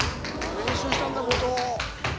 練習したんだ後藤。